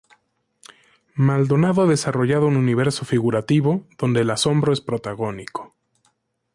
Maldonado ha desarrollado un universo figurativo donde el asombro es protagónico.